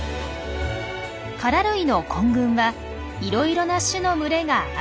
カラ類の混群はいろいろな種の群れが集まったもの。